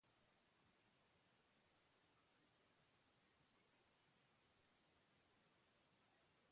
Saltoki handi baten ondoa bonba-autoa zartarazi dute.